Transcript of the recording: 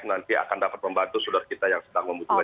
nanti akan dapat membantu saudara kita yang sedang membutuhkan